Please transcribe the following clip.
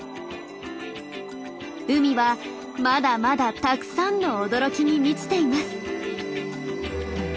海はまだまだたくさんの驚きに満ちています。